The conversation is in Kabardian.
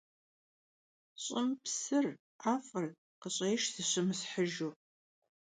Ş'ım psır, 'ef'ır khış'êşş zışımıshıjju.